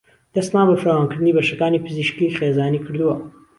دهستمان به فراوانکردنی بهشهکانی پزیشکیی خێزانیی کردووه